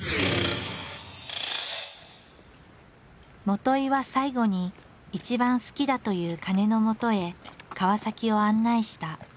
元井は最後に一番好きだという鐘のもとへ川を案内した。